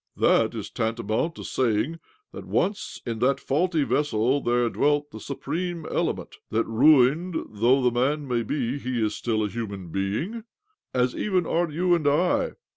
" That is tantamount to saying that once in that fauhy vessel there dwelt the supreme element— that, ruined though the man may be, he is still a human being, as even are you and I.